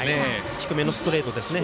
低めのストレートですね。